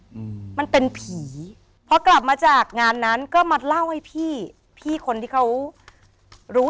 อืมมันเป็นผีพอกลับมาจากงานนั้นก็มาเล่าให้พี่พี่คนที่เขารู้